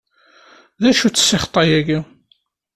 D acu-tt ssixṭa-agi?